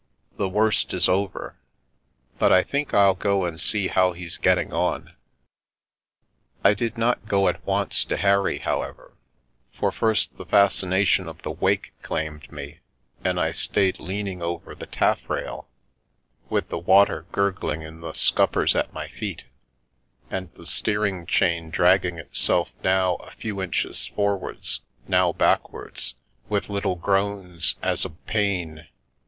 The worst is over. But I think I'll go and see how he's getting on." I did not go at once to Harry, however, for first the ^o Salt water Philosophy fascination of the wake claimed me, and I stayed lean ing over the taffrail, with the water gurgling in the scuppers at my feet, and the steering chain dragging it self now a few inches forwards, now backwards, with little groans as of pain.